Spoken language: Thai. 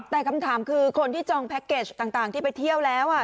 แต่คำถามคือคนที่จองแพ็คเกจต่างที่ไปเที่ยวแล้ว